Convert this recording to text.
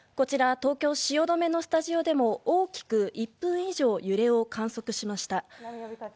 東京・汐留のスタジオでも大きく１分以上揺れを観測しました。